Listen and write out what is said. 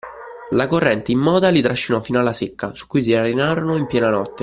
La corrente immota li trascinò fino alla secca, su cui si arenarono in piena notte.